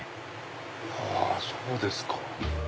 はぁそうですか。